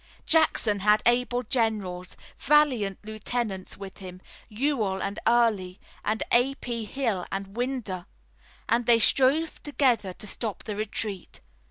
Jackson had able generals, valiant lieutenants, with him, Ewell and Early, and A. P. Hill and Winder, and they strove together to stop the retreat.